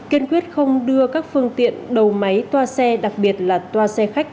kiên quyết không đưa các phương tiện đầu máy toa xe đặc biệt là toa xe khách